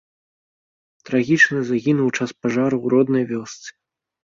Трагічна загінуў у час пажару ў роднай вёсцы.